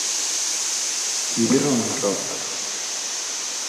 kibiron robta